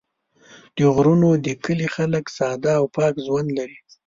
د غرونو د کلي خلک ساده او پاک ژوند لري.